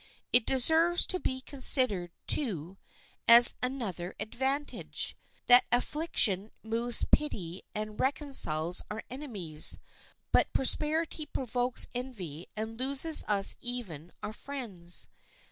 It deserves to be considered, too, as another advantage, that affliction moves pity and reconciles our enemies; but prosperity provokes envy and loses us even our friends.